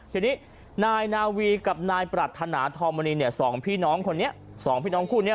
ทีนี้นายนาวีกับนายปรัฐนาธอมณีเนี่ยสองพี่น้องคนนี้สองพี่น้องคู่นี้